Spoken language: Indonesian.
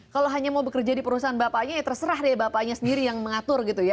kalau hanya mau bekerja di perusahaan bapaknya ya terserah deh bapaknya sendiri yang mengatur gitu ya